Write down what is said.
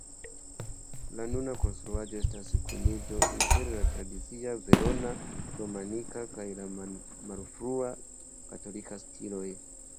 La nuna konstruaĵo estas kuniĝo inter la tradicia verona-romanika kaj la malfrua gotika stiloj.